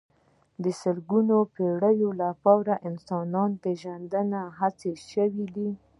د لسګونو پېړيو لپاره د انسان پېژندنې هڅې شوي دي.